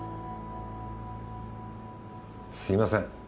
すみません。